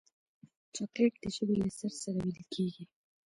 چاکلېټ د ژبې له سر سره ویلې کېږي.